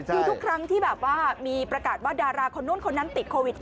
คือทุกครั้งที่แบบว่ามีประกาศว่าดาราคนนู้นคนนั้นติดโควิด